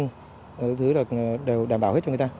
những thứ là đều đảm bảo hết cho người ta